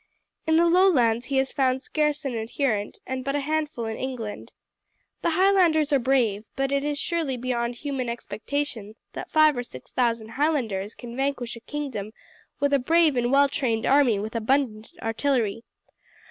In the Lowlands he has found scarce an adherent, and but a handful in England. The Highlanders are brave; but it is surely beyond human expectation that five or six thousand Highlanders can vanquish a kingdom with a brave and well trained army with abundant artillery.